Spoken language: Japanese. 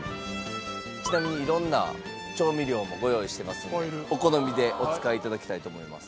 ちなみに色んな調味料もご用意してますのでお好みでお使い頂きたいと思います。